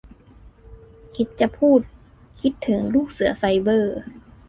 คิดจะพูด คิดถึงลูกเสือไซเบอร์